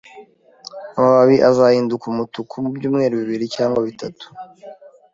Amababi azahinduka umutuku mubyumweru bibiri cyangwa bitatu